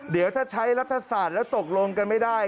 เดี๋ยวถ้าใช้รัฐศาสตร์แล้วตกลงกันไม่ได้